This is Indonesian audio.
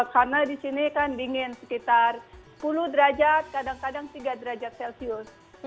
karena disini kan dingin sekitar sepuluh derajat kadang kadang tiga derajat celcius